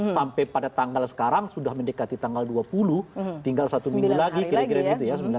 sampai pada tanggal sekarang sudah mendekati tanggal dua puluh tinggal satu minggu lagi kira kira begitu ya